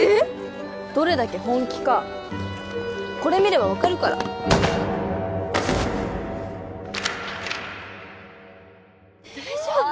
どれだけ本気かこれ見れば分かるから大丈夫？